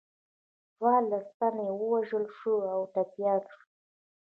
څوارلس تنه یې وژل شوي او ټپیان شوي.